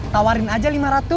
tawarin aja lima ratus